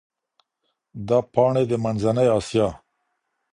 دا پاڼي د منځنۍ اسیا